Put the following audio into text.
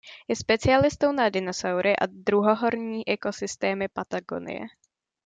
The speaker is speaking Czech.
Je specialistou na dinosaury a druhohorní ekosystémy Patagonie.